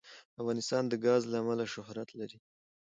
افغانستان د ګاز له امله شهرت لري.